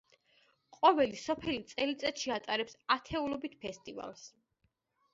ყოველი სოფელი წელიწადში ატარებს ათეულობით ფესტივალს.